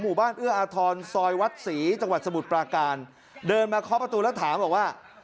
เอื้ออาทรซอยวัดศรีจังหวัดสมุทรปราการเดินมาเคาะประตูแล้วถามบอกว่า